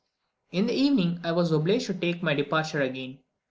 In the evening, I was obliged to take my departure again.